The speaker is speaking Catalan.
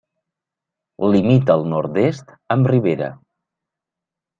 Limita al nord-est amb Rivera.